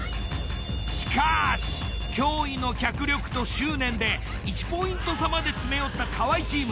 しかし驚異の脚力と執念で１ポイント差まで詰め寄った河合チーム。